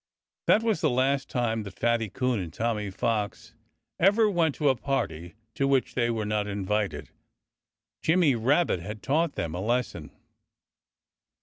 That was the last time that Fatty Coon and Tommy Fox ever went to a party to which they were not invited. Jimmy Rabbit had taught them a lesson.